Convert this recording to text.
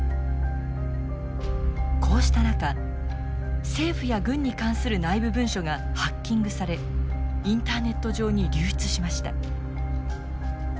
こうした中政府や軍に関する内部文書がハッキングされインターネット上に流出しました。